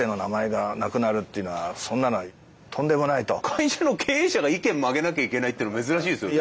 会社の経営者が意見曲げなきゃいけないっていうの珍しいですよね。